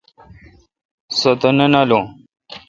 سو تہ نہ نالوں۔